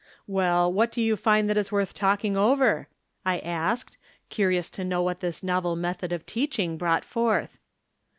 " Well, what do you find that is worth talking over ?" I asked, curious to know what tliis novel method of teaching brought forth.